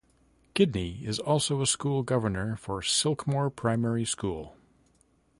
Kidney is also a school governor for Silkmore Primary School.